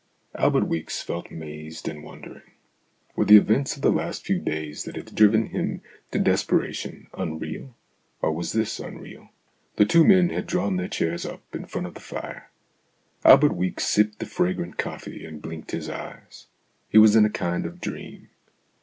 Albert Weeks felt mazed and wondering. Were the events of the last few days that had driven him 64 STORIES IN GREY to desperation unreal, or was this unreal? The two men had drawn their chairs up in front of the fire. Albert Weeks sipped the fragrant coffee and blinked his eyes ; he was in a kind of dream.